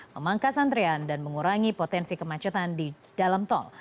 memangkas antrean dan mengurangi potensi kemacetan di dalam tol